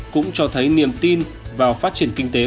cũng cho thấy niềm tin vào phát triển kinh tế